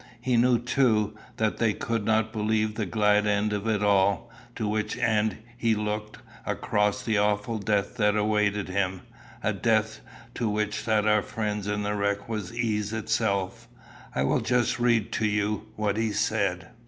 He knew, too, that they could not believe the glad end of it all, to which end he looked, across the awful death that awaited him a death to which that of our friends in the wreck was ease itself. I will just read to you what he said."